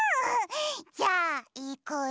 じゃあいくよ。